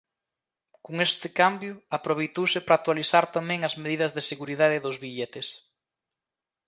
Con este cambio aproveitouse para actualizar tamén as medidas de seguridade dos billetes.